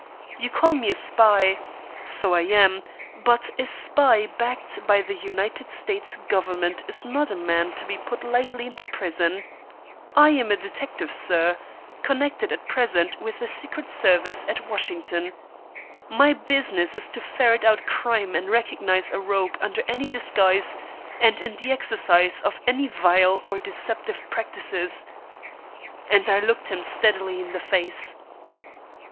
You call me a spy; so I am; but a spy backed by the United States Government is not a man to be put lightly into prison. I am a detective, sir, connected at present with the Secret Service at Washington. My business is to ferret out crime and recognize a rogue under any disguise and in the exercise of any vile or deceptive practices." And I looked him steadily in the face.